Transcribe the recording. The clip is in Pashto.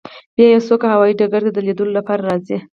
بیا یو څوک هوایی ډګر ته د لیدو لپاره راځي